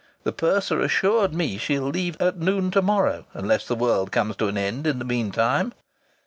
The purser assured me she'll leave at noon to morrow unless the world comes to an end in the meantime.